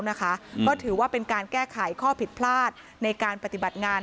ก็ถือว่าเป็นการแก้ไขข้อผิดพลาดในการปฏิบัติงาน